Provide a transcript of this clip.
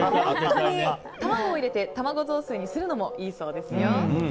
卵を入れて卵雑炊にするのもいいそうですよ。